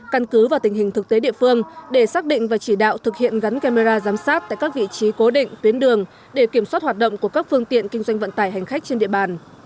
căn cứ vào tình hình thực tế địa phương để xác định và chỉ đạo thực hiện gắn camera giám sát tại các vị trí cố định tuyến đường để kiểm soát hoạt động của các phương tiện kinh doanh vận tải hành khách trên địa bàn